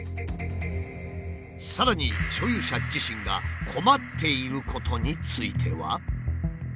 さらに所有者自身が困っていることについては。